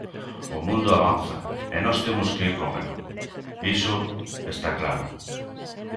O mundo avanza e nós temos que ir con el, iso está claro.